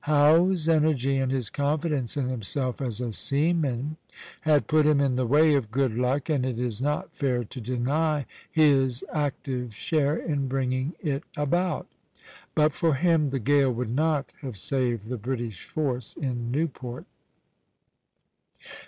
Howe's energy and his confidence in himself as a seaman had put him in the way of good luck, and it is not fair to deny his active share in bringing it about. But for him the gale would not have saved the British force in Newport.